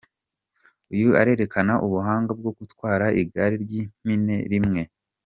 Uyu arerekana ubuhanga bwo gutwara igare ry’ipine rimwe.